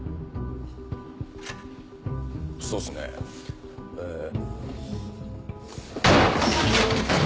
そうっすねえぇ。